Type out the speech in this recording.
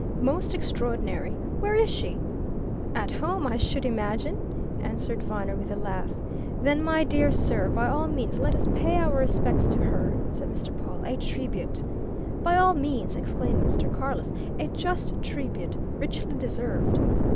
"Most extraordinary! Where is she?" "At home, I should imagine," answered Viner with a laugh. "Then, my dear sir, by all means let us pay our respects to her!" said Mr. Pawle. "A tribute!" "By all means!" exclaimed Mr. Carless. "A just tribute richly deserved!"